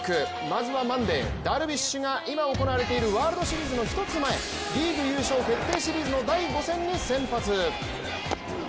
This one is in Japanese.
まずはマンデー、ダルビッシュが今行われているワールドシリーズの１つ前リーグ優勝決定シリーズの第５戦に先発。